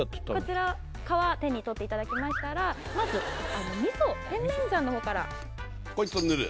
こちら皮手にとっていただきましたらまず味噌甜麺醤の方からこいつを塗る？